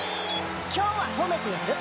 今日はほめてやる！